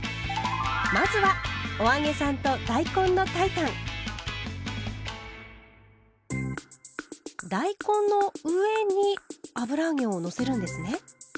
まずは大根の上に油揚げをのせるんですね。